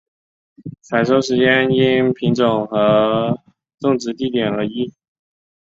采收时间因品种和种植地点而异。